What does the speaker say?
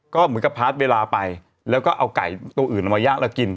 ก็เหมือนกับพาร์ทเวลาไปแล้วก็เอาไก่ตัวอื่นเอามาย่างแล้วกิน